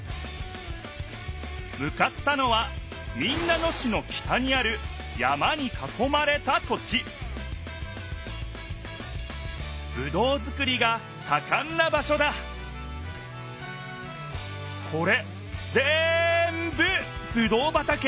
向かったのは民奈野市の北にある山にかこまれた土地ぶどうづくりがさかんな場所だこれぜんぶぶどう畑。